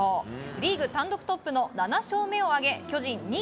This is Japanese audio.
リーグ単独トップの７勝目を挙げ巨人２位